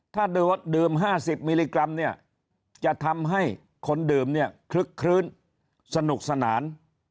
ถ้าดื่ม๕๐มิลลิกรัมเนี่ยจะทำให้คนดื่มเนี่ยคลึกคลื้นสนุกสนาน